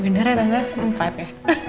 bener ya tante empat ya